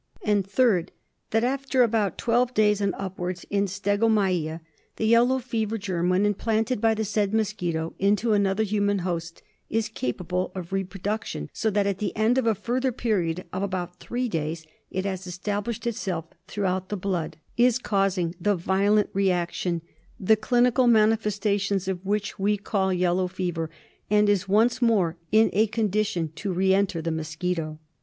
And third, that after about twelve days and upwards in stegomyia the yellow fever germ, when implanted by the said mosquito into another human host, is capable of reproduction, so that at the end of a further period of about three days it has established itself throughout the blood, is causing the violent re action the clinical manifestations of which we call yellow fever, and is once more in a condition to re enter the mosquito.